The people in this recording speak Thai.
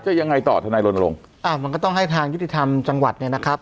จะยังไงต่อถนัยลงอ่ามันก็ต้องให้ทางยุทธิธรรมจังหวัดเนี้ยนะครับ